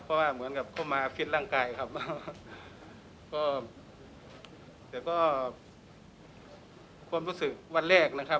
เพราะว่าเหมือนกับเข้ามาฟิตร่างกายครับก็แต่ก็ความรู้สึกวันแรกนะครับ